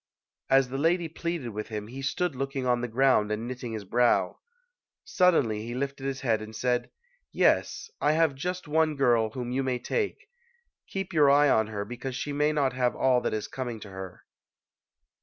As the lady pleaded with him, he stood looking on the ground and knitting his brow. Suddenly he lifted his head and said, "Yes, I have just one girl whom you may take; keep your eye on her because she may not have all that is coming to her".